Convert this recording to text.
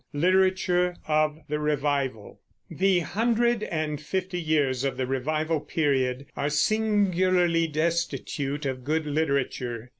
LITERATURE OF THE REVIVAL The hundred and fifty years of the Revival period are singularly destitute of good literature.